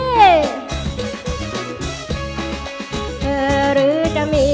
เธอหรือจริง